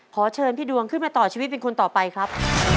ขอเชิญพี่ดวงขึ้นมาต่อชีวิตเป็นคนต่อไปครับ